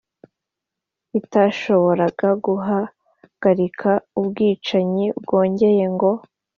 itashoboraga guhagarika ubwicanyi, byongeye ngo